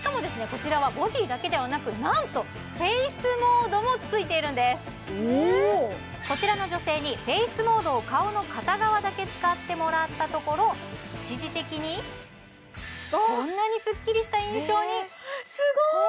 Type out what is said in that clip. こちらはボディーだけではなくなんとフェイスモードもついているんですこちらの女性にフェイスモードを顔の片側だけ使ってもらったところ一時的にこんなにすっきりした印象にすごい！